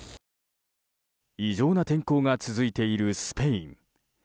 異常な天候が続いているスペイン。